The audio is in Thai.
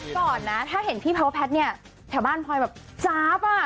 ก่อนนะถ้าเห็นพี่พาวแพทย์เนี่ยแถวบ้านพลอยแบบจ๊าบอ่ะ